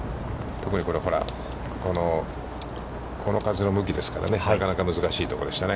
特にほら、この風の向きですからね、なかなか難しいところですよね。